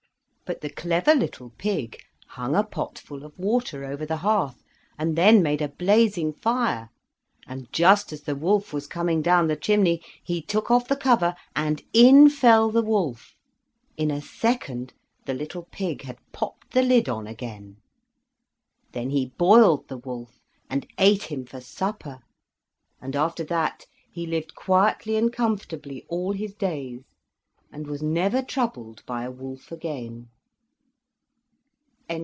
But the clever little pig hung a pot full of water over the hearth and then made a blazing fire, and just as the wolf was coming down the chimney he took off the cover and in fell the wolf. In a second the little pig had popped the lid on again. Then he boiled the wolf, and ate him for supper, and after that he lived quietly and comfortably all his days, and was never troubled by a wolf again.